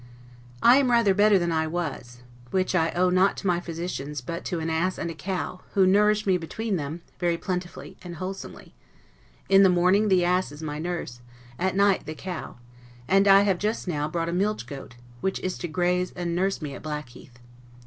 I am rather better than I was; which I owe not to my physicians, but to an ass and a cow, who nourish me, between them, very plentifully and wholesomely; in the morning the ass is my nurse, at night the cow; and I have just now, bought a milch goat, which is to graze, and nurse me at Blackheath.